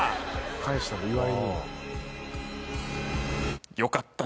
返した岩井に。